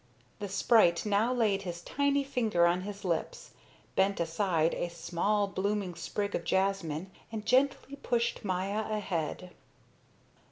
The sprite now laid his tiny finger on his lips, bent aside a small blooming sprig of jasmine, and gently pushed Maya ahead.